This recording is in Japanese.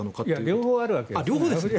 両方あるわけです。